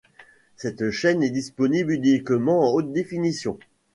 Cette chaîne est disponible uniquement en Haute définition.